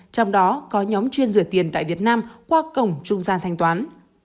trong đó có nhóm chuyên rửa tiền tại việt nam qua cổng trung gian thanh toán